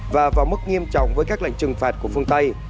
và vào mức nghiêm trọng với các lệnh trừng phạt của phương tây